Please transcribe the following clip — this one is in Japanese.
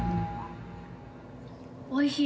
おいしい。